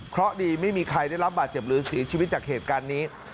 เพราะดีไม่มีใครได้รับบาดเจ็บหรือเสียชีวิตจากเหตุการณ์นี้